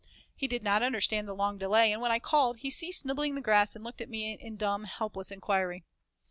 He did not understand the long delay, and when I called, he ceased nibbling the grass and looked at me in dumb, helpless inquiry.